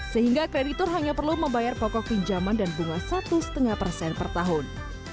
sehingga kreditur hanya perlu membayar pokok pinjaman dan bunga satu lima persen per tahun